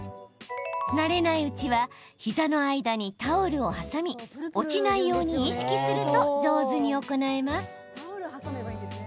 慣れないうちは膝の間にタオルを挟み落ちないように意識すると上手に行えます。